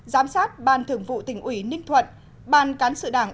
giám sát ban thường vụ tỉnh ủy ninh thuận ban cán sự đảng